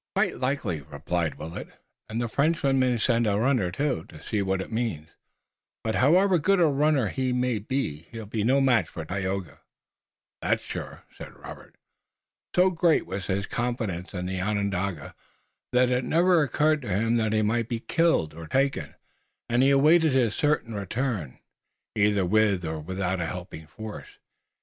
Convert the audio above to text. "Quite likely," replied Willet, "and the Frenchman may send a runner, too, to see what it means, but however good a runner he may be he'll be no match for Tayoga." "That's sure," said Robert. So great was his confidence in the Onondaga that it never occurred to him that he might be killed or taken, and he awaited his certain return, either with or without a helping force.